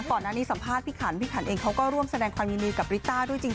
ก่อนหน้านี้สัมภาษณ์พี่ขันพี่ขันเองเขาก็ร่วมแสดงความยินดีกับริต้าด้วยจริง